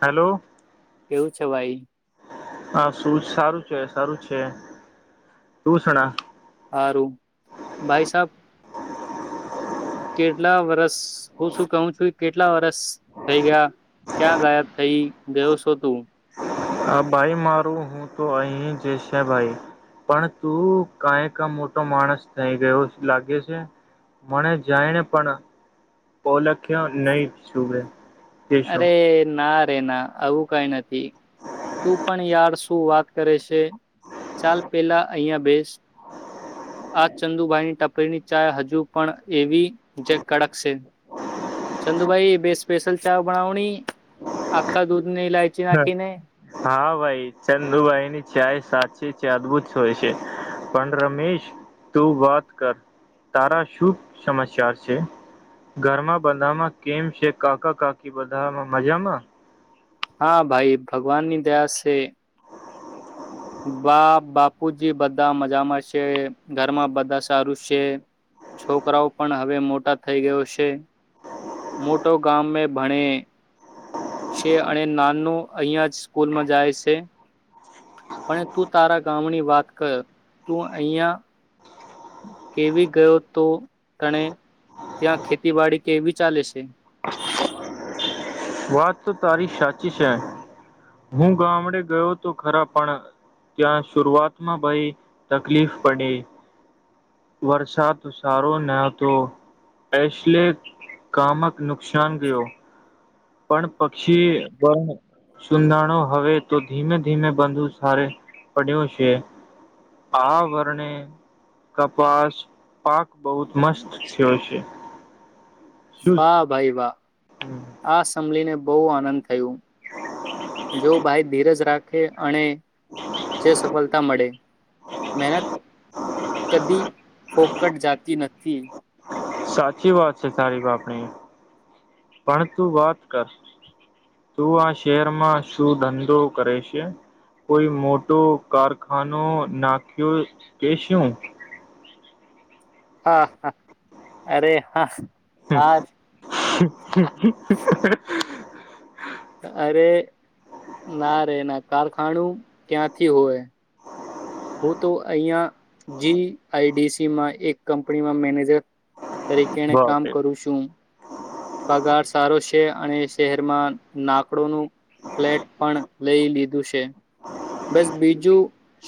Hello કેવું છે ભાઈ હા શું સારું છે સારું છે શુંષણા હારું ભાઈ સાબ કેટલા વરસ હું શું કહું છું કેટલા વરસ થઈ ગયા ક્યાં ગાયબ થઈ ગયો શો તું હા ભાઈ મારું હું તો અહી જ છે ભાઈ પણ તું કાઈ ક મોટો માણસ થઈ ગયો લાગે છે મને જઈને પણ ઓલખ્યો નહી છૂગે અરે ના આવું કઈ નથી તું પણ યાર શું વાત કરે છે ચાલ પેલા અહિયાં બેસ આ ચંદુભાઈની ટપરીની ચાય હજુ પણ એવી જે કડક છે ચંદુભાઈ એ બે સ્પેશલ ચા બનાવણી આકા દુધ હા ભાઈ ચંદુભાઈ ની છે એ સાચ ી છે અદભત છો પણ રમેશ તું વાત કર તારા શું સમાચાર છે ઘરમાં બંધામાં કેમ છે કાકા કાકી બંધામાં મજામાં હા ભાઈ ભગવાનની દયા છે બા બાપુજી બધા મજામાં છે ઘરમાં બધા સારું છે છોકરાઓ પણ હવે મોટા થઈ ગયો છે મોટો ગામમે ભણે છે અને નાનો અહિયાં જ સ્કૂલમાં જાય છે પણ તું તારા ગામની વાત કર તું અહંયા કેવી ગયો તો તણે ત્યાં ખેતીવાડી કેવી ચાલે છે વાત તો તારી સાચી છે હું ગામડે ગયો તો ખરા પણ ત્યાં શરૂઆતમાં ભાઈ તકલીફ પડી વરસાદ સારો ન હતો એશલે કામક નુકસાન ગયો પણ પક્ષી વણ સુનાાણો હવે તો ધીમે ધીમે બંધુ સારે પડ્યું છે આ વર્ણે કપાસ પાક બહુત મસ્ત થયો છે શું વાહ ભાઈ વાહ આસામ ીને બહુ આનંદ થયું જો ભાઈ ધીરજ રાખ કે અણે જે સફલતા મળે મહેનત કદી ફોકટ જાતી નથી સાચી વાત છે તારીફ આપણી પણ તું વાત કર તું આ શહેરમાં શું ધંધો કરે છે કોઈ મોટો કારખાનો નાખ્યો કે શું હા હા અરે હા હાર હમ હ હ હ અરે ના રેના ના કારખાનુ ક્યાંથી હોય હું તો અહીંયા જીઆઈડીસીમાં એક કંપનીમાં મેનેજર તરીકેણે કામ કરું સુ પગાર સારો છે અને શહેરમાં નાકડો નું ફ્લેટ પણ લઈ લીધું છે બસ બીજું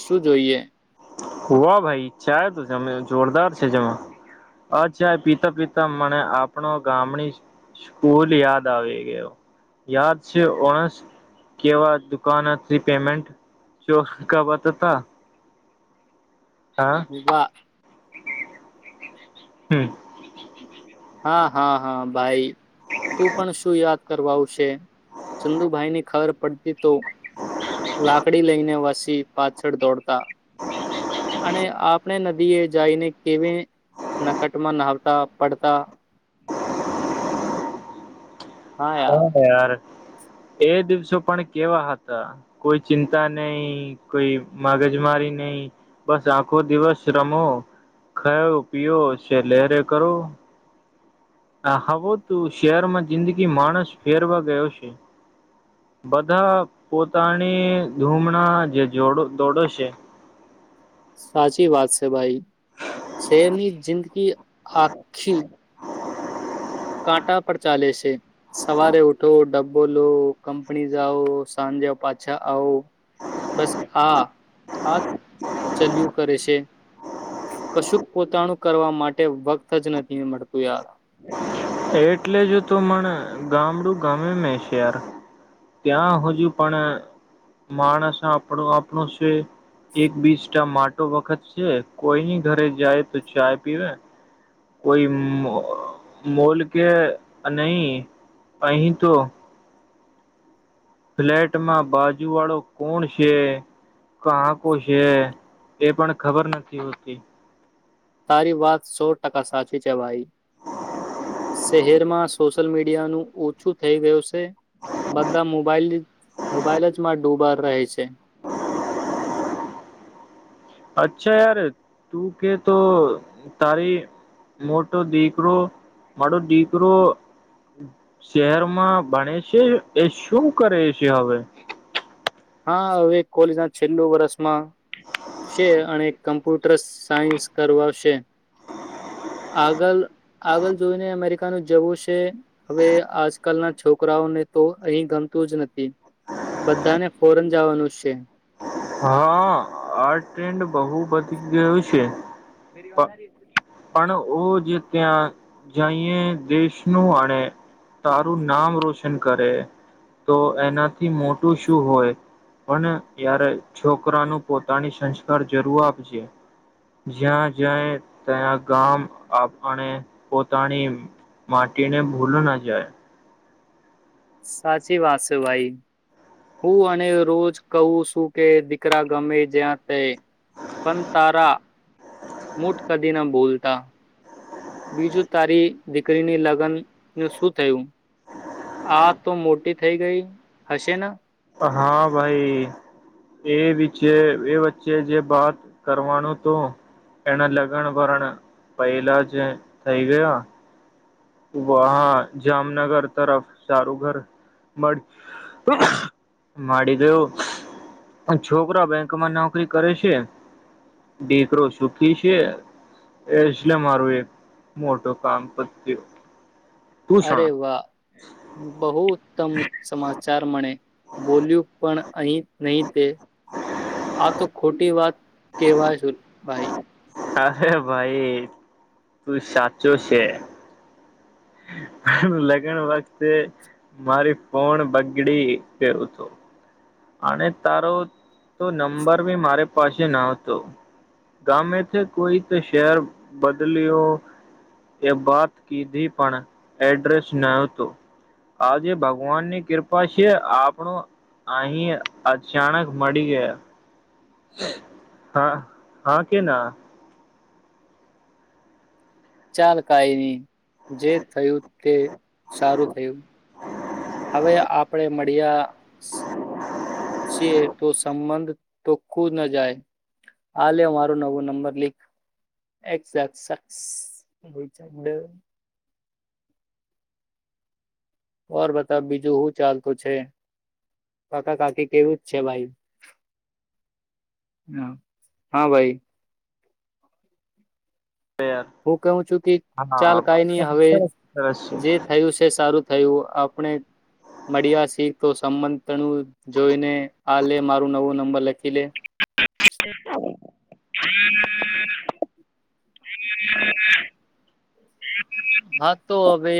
શું જોઈએ હોહ ભઈ ચાય તો જમે જોરદાર છે જમ આ ચાય પીતા પીતા મને આપનો ગામની સ્કૂલ યાદ આવી ગયો યાદ છે ઓણસ કેવા દુકાનથી પેમેન્ટ ચોાવતા હતા હા. વાહ હમ હા હા હા ભાઈ તું પણ શું યાદ કરવા આવશે ચંદુભાઈ ની ખર પડતી તો લાકડી લઈને વસી પાછળ દોડતા અને આપને નદીએ જઈને કેવી નકટમાં નહાવ તા પડતા હા યાર કણા તયાર [unintelligible] એ દિવસો પણ કેવા હતા કોઈ ચિંતા નઈ કોઈ માગજમારી નઈ બસ આખો દિવસ રમો ખયો પીયો છે લહેરે કરો આ હવો તું શહેરમાં જિંદગી માણસ ફેરવા ગયો છે બધા પોતાની ધૂમણા જેડ દોડો છે સાચી વાત સે ભાઈ શેરની જિંદગી આખી કાંટા પર ચાલે સે સવારે ઉઠો ડબ્બો લો કંપની જાઓ સાંજે પાછા આવો બસ આ આ ચલયુ કરે છે કશુંક પોતાનું કરવા માટે વક્ત જ નથી મળતું યાર એટલે જો તો મણે ગામડું ગમે મે છે યાર ત્યાં હજુ પણ માણસ આપડો આપણો છે એક બીસ ટા માટો વખત છે કોઈની ઘરે જાય તો ચાય પીવે કોઈ મો મોલ કે નહી અહી તો ફ્લેટમાં બાજુ વાળો કોણ છે કાકો છે એ પણ ખબર નથી હોતી તારી વાત સો ટકા સાચી છે ભાઈ શહેરમાં સોશિયલ મીડિયાનું ઓછું થઈ ગયું છે સે બધા મોબાઈલ મોબાઈલ જ માં ડુબા રહે છે અચ્છા યાર તું કે તો તારી મોટો દીકરો મારો દીકરો શહેરમાં ભણે છે એ શું કરે છે હવે હા હવે કોલેજ ના છેલ્લું વરષ માં સે અણે કમ્પ્યુટર સાયન્સ કરવાશે આગલ આગલ જોઈને અમેરિકાનું જવું સે હવે આજકાલના છોકરાઓને તો અહી ગમતું જ નથી બધાને ફોરન જાવાનું સે હા આ ટ્રેન્ડ બહુ બધી ગયું સે પણ ઓ જે ત્યાં જઈએ દેશનું આણે તારું નામ રોશન કરે તો એનાથી મોટું શું હોય પણ યારે છોકરાનું પોતાની સંસ્કાર જરૂર આપજે જ્યાં જાય ત્યાં ગામણે પોતાની માટીને ભૂલ ના જાય સાચી વાત છે ભાઈ હું અને રોજ કહું છું કે દીકરા ગમે જ્યાં તે પણ તારા મટ કદી ના ભોલતા બીજું તારી દીકરીની લગ્ન ન શું થયું આ તો મોટી થઈ ગઈ હશે ને હા ભાઈ એ વિચ એ વચ્ચે જે વાત કરવાનું તો એના લગન ભરણ પહેલા જ થઈ ગયા વાહા જામનગર તરફ સારું ઘર મળ ડી ગયયો છોકરા બેંકમાં નોકરી કરે છે દીકરો સુખી છે એલે મારું એક મોટું કામ પું અરે વાહ બહુ ઉત્તમ સમાચાર મળે બોલ્યું પણ અહી નહી તે આ તો ખોટી વાત કેહેવાય ભાઈ અરે ભાઈ તું સાચો છે લગ્ન વખતે મારી ફન બગડી કરું હત અને તારો તો નંબર બી મારી પાસે ન હતો ગામેથી કોઈ તો શહેર બદલ્યો એ વાત કીધી પણ એડ્રેસ ન હતો આજે ભગવાનની કૃપા છે આપણો અહી અચાનક મળી ગયા હા હા કે ના ચાલ કઈ નહી જે થયું તે સારું થયું હવે આપણે મળિયા છે તો સંબંધ તોખું ન જાય હલે મારો નવો નંબર લીખ બર બતા બીજું શું ચાલતું છે કાકા કાકી કેવું જ છે ભાઈ હ હા ભાઈ યાર હું કહું છું કે ચાલ હા કઈ નહી સરસ હવે સરસ છે જે થયું છે સારું થયું આપણે મળ્યા શીખ તો સંબણું જોઈને આ લે મારું નવો નંબર લખી લે હ હા [inaudible] હા તો હવે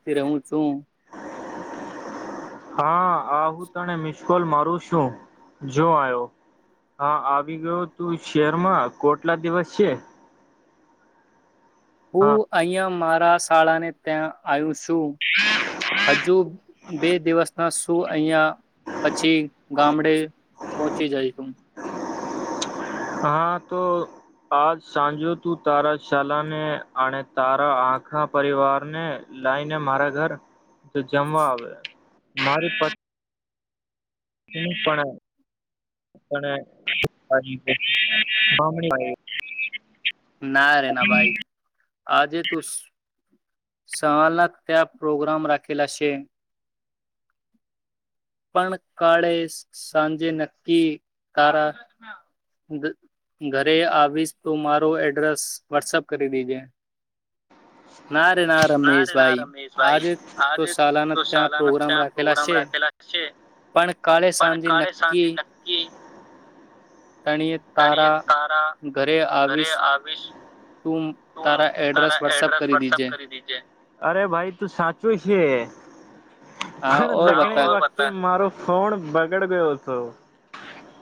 હું હા આવું તને મિશકોલ માર ું શું જો આવ્યો હા આવી ગયો તું શહેરમાં કોટલા દિવસ છે હું હા અહં મારા શાળા ને ત્યાં આવુ હજુ બે દિવસના શું અહં પછી ગામડે પહોંચી જાયશું હા તો આજ સાંજો તું તારા શાલાને અને તારા આખા પરિવારને લઇને મારા ઘર જમવા આવે મારી પત્ હું પણામણી ના રેના ભાઈ આજે તું સવાલના ત્યાં પ્રોગ્રામ રાખેલા છે પણ કાળે સાંજે નક્કી તારા ઘરે આવીશ તો મારા એડ્રેસ વોટસપ કરી દજે ના રે ના રમેશભાઈ તો આજે સાલાના તો ત્યાં સાલાના પ્રોગ્રામ ત્યાં રાખેલા પ્રોગ્રામ છે રાખેલા હશે પણ કાલે પણ સાંજે કાલે સાંજે નક્કી નક્કી તણીએ તણીએ તારા ઘરે આવીશ સ તું તારા એડ્રેસ વોટ્સઅપ કરી વપ દીજે કરી દજે અરે ભાઈ તું સાચું છે હા પણ ઓર લગણી બતા વખતે મારો ફોન બ આગળ ગયો હતો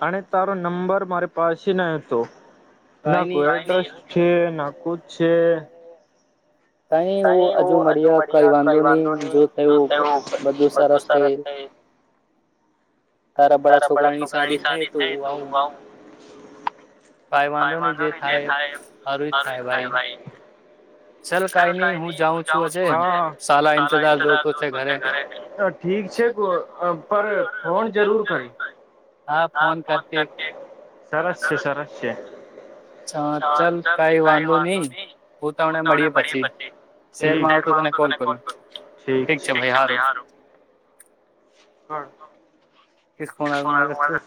અને તારો નંબર મારે પાછી ના તો ના કઈ નહી કોઈ આડસ છે ના ક છે કઈ હું હજુ મળ્યા કઈ વાંધો નહી જો થયું બધું સરસ થઈ તારા તરા બડા છોકરાની છોકરા ની શાદી થાય શદી તો થઈ હું તું આવું ભાઈ વાંધો નહી જે થાય સારું થાય ભાઈ ચાલ ચ કઈ હું નહી જાઉં હુંઉં હજે છું સાલા હાર ઇંતજાર જોતો છે ઘરે ઠીક છે ફોન ફોન જરૂર કરી થાય હા હ ફોન કરતી કર સરસ છે સરસ છે ચાલ કઈ ગાય વાંધો વાંધ નહી હું તમને મળીએ પછી ન ત શહેરમાં આવતો તને પીરમાં કોલ કરું આવતોલક ઠીક છે ભાઈ હારું છેારું કસ ફન આ મા છું